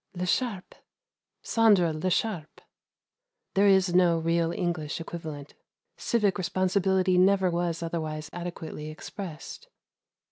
Scarf pish! "l'echarpe!" "Ceindre l'echarpe" there is no real English equivalent. Civic responsibility never was otherwise adequately expressed.